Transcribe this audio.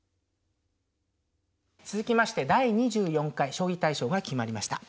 続きまして第２４回将棋大賞が決まりました。